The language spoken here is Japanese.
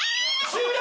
終了！